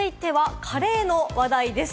続いてはカレーの話題です。